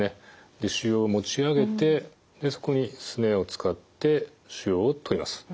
腫瘍を持ち上げてそこにスネアを使って腫瘍を取ります。